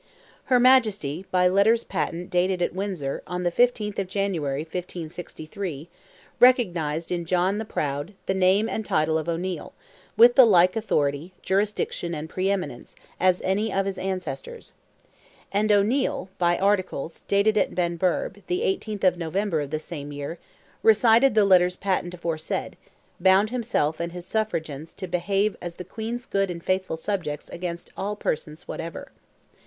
Her Majesty, by letters patent dated at Windsor, on the 15th of January, 1563, recognized in John the Proud "the name and title of O'Neil, with the like authority, jurisdiction, and pre eminence, as any of his ancestors." And O'Neil, by articles, dated at Benburb, the 18th of November of the same year, reciting the letters patent aforesaid, bound himself and his suffragans to behave as "the Queen's good and faithful subjects against all persons whatever."